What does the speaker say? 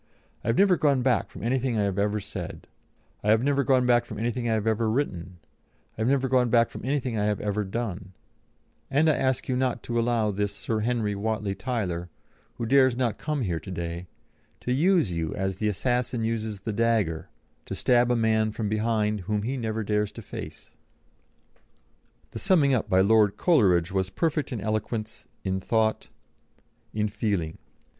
I have never gone back from anything I have ever said; I have never gone back from anything I have ever written; I have never gone back from anything I have ever done; and I ask you not to allow this Sir Henry Whatley Tyler, who dares not come here to day, to use you as the assassin uses the dagger, to stab a man from behind whom he never dares to face." The summing up by Lord Coleridge was perfect in eloquence, in thought, in feeling.